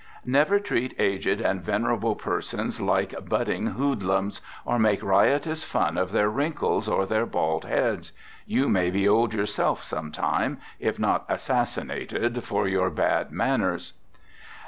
Never treat aged and venerable persons like budding hoodlums, or make riotous fun of their wrinkles or their bald heads. You may be old yourself, some time, if not assassinated for your bad manners.